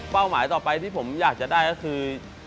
หมายต่อไปที่ผมอยากจะได้ก็คือ